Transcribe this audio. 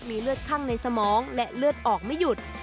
มีเลือดข้างในสมองและเลือดออกไม่หยุด